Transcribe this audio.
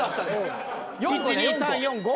１２３４５？